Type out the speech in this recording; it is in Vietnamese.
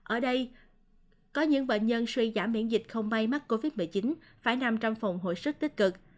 ở đây có những bệnh nhân suy giảm miễn dịch không may mắc covid một mươi chín phải nằm trong phòng hội sức tích cực